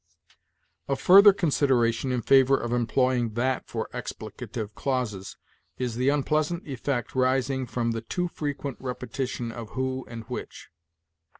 "A further consideration in favor of employing 'that' for explicative clauses is the unpleasant effect arising from the _too frequent repetition of 'who' and 'which.'